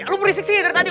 lu berisik sih dari tadi